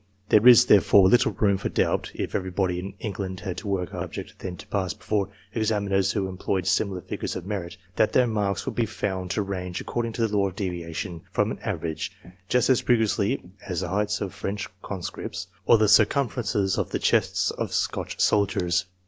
There is, therefore, little room for doubt, if everybody in England had to work up some subject and then to pass before examiners who employed similar figures of merit, that their marks would be found to range, according to the law of deviation from an average, just as rigorously as the heights of French conscripts, or the circumferences of the lests of Scotch soldiers.